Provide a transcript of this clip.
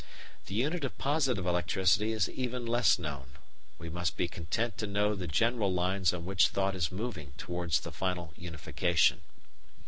The unit of positive electricity is even less known. We must be content to know the general lines on which thought is moving toward the final unification.